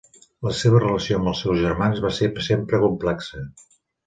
La seva relació amb els seus germans va ser sempre complexa.